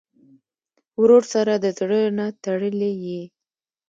ورور سره د زړه نه تړلې یې.